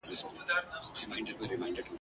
چا د آس اوږده لکۍ ور مچوله `